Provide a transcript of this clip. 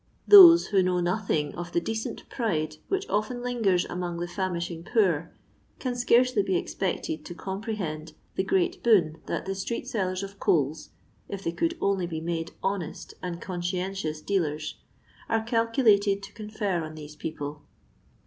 Those who know nothing of &e. decent pride which often lingers among the fimiishing poor, can scarcely be expected to comprehend the great boon that the street sellers of coids, if they could only be made honest and consdentious dealers, are calculated to confer on these people.